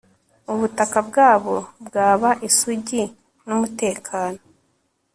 Ubutaka bwabo bwaba isugi numutekano